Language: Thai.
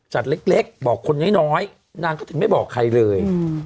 เล็กบอกคนน้อยนางก็ถึงไม่บอกใครเลย